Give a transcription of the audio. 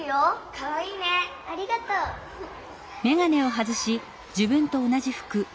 かわいいね。ありがとうフフッ。